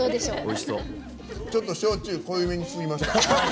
ちょっと焼酎濃いめにしてみました。